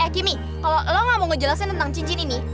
eh kimi kalo lo gak mau ngejelasin tentang cincin ini